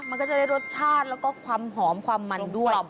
มันก็จะได้รสชาติแล้วก็ความหอมความมันด้วย